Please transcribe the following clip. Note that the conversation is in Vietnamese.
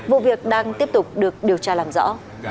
vụ việc đang tiếp tục được điều tra làm rõ